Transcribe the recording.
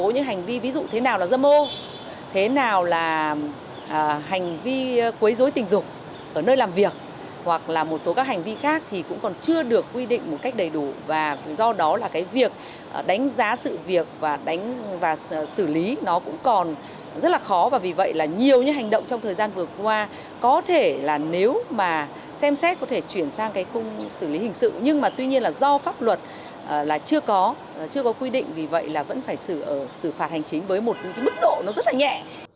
nó cũng còn rất là khó và vì vậy là nhiều những hành động trong thời gian vừa qua có thể là nếu mà xem xét có thể chuyển sang cái khung xử lý hình sự nhưng mà tuy nhiên là do pháp luật là chưa có chưa có quy định vì vậy là vẫn phải xử phạt hành chính với một bức độ nó rất là nhẹ